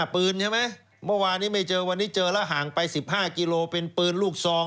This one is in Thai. ปืนใช่ไหมมันเจอห่างไป๑๕กิโลเป็นปืนลูกซอง